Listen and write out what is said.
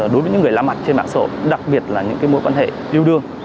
đối với những người lá mặt trên mạng sổ đặc biệt là những mối quan hệ yêu đương